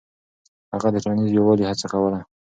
هغه د ټولنيز يووالي هڅه کوله.